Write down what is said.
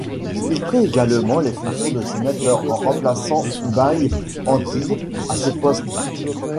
Il prit également les fonctions de Sénateur en remplaçant Bail Antilles à ce poste.